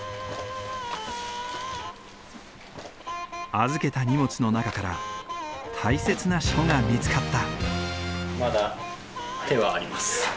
預けた荷物の中から大切な書が見つかった。